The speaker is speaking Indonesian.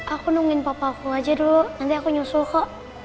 aku nungguin papa aku aja dulu nanti aku nyusul kok